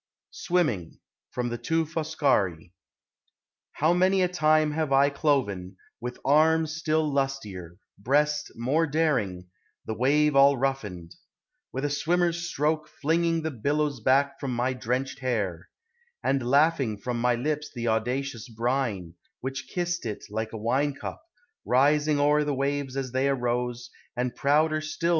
SWIMMING. FROM " THE TWO FOSCARI. How many a time have I Cloven, with arm still lustier, breast more daring, The wave all roughened; with a swimmer s stroke Flinging the billows back from mj drenched hair, And laughing from my lips the audacious brine, Which kissed it like a wine cup, rising o er The waves as they arose, and prouder itill 142 POEMS OF NATURE.